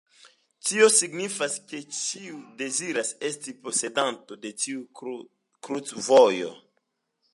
Tio signifas, ke ĉiu deziras esti posedanto de tiu krucvojo.